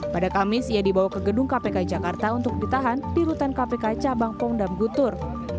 pada kamis ia dibawa ke gedung kpk jakarta untuk ditahan di rutan kpk cabang pongdam gutur